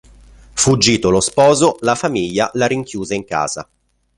Fuggito lo sposo la famiglia la rinchiuse in casa.